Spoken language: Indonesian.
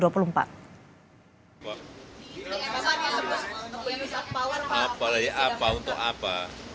apa lagi apa untuk apa